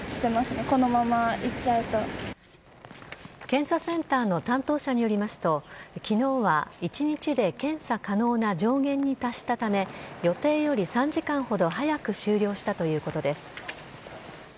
検査センターの担当者によりますと昨日は一日で検査可能な上限に達したため予定より３時間ほど早く終了したということです。